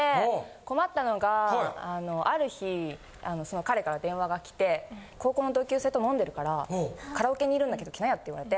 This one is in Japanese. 困ったのがある日彼から電話がきて高校の同級生と飲んでるからカラオケにいるんだけど来なよって言われて。